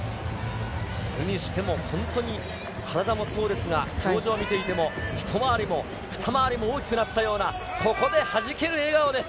それにしても本当に体もそうですが、表情を見ていても、一回りも二回りも大きくなったような、ここではじける笑顔です。